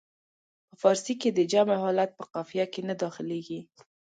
په فارسي کې د جمع حالت په قافیه کې نه داخلیږي.